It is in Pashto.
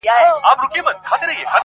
څه خبر وي چي پر نورو څه تیریږي -